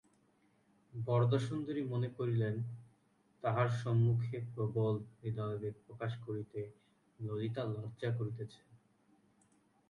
বরদাসুন্দরী মনে করিলেন, তাঁহার সম্মুখে প্রবল হৃদয়াবেগ প্রকাশ করিতে ললিতা লজ্জা করিতেছে।